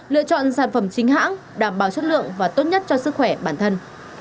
lựa chọn sản phẩm chính hãng đảm bảo chất lượng và tốt nhất cho sức khỏe bản thân